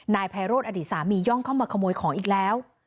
นายไพโรธอดีตสามีย่องเข้ามาขโมยของอีกแล้ว